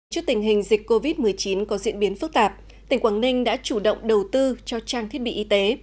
trước tình hình dịch covid một mươi chín có diễn biến phức tạp tỉnh quảng ninh đã chủ động đầu tư cho trang thiết bị y tế